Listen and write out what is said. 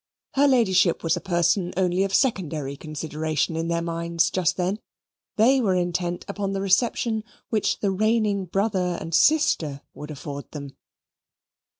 Her Ladyship was a person only of secondary consideration in their minds just then they were intent upon the reception which the reigning brother and sister would afford them.